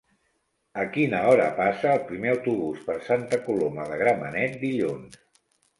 A quina hora passa el primer autobús per Santa Coloma de Gramenet dilluns?